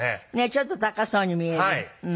ちょっと高そうに見える。